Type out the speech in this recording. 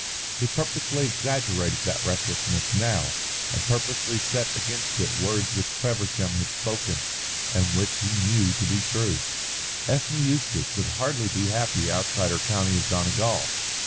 He purposely exaggerated that restlessness now, and purposely set against it words which Feversham had spoken and which he knew to be true. Ethne Eustace would hardly be happy outside her county of Donegal.